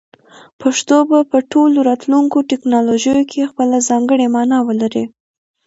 پښتو به په ټولو راتلونکو ټکنالوژیو کې خپله ځانګړې مانا ولري.